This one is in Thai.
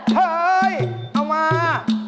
เฮ้ยเอามา